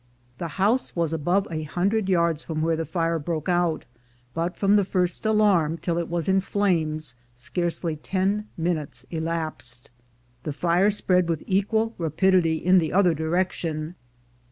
The house was above a hundred yards from where the fire broke out, but from the first alarm till it was in flames scarcely ten minutes elapsed. The fire spread with equal rapidity in the other direction.